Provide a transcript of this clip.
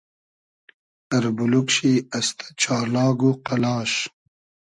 اربولوگ شی استۂ چالاگ و قئلاش